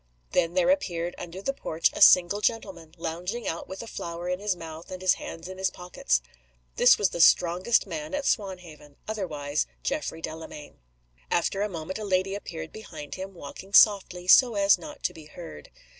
Then there appeared under the porch a single gentleman, lounging out with a flower in his mouth and his hands in his pockets. This was the strongest man at Swanhaven otherwise, Geoffrey Delamayn. After a moment a lady appeared behind him, walking softly, so as not to be heard.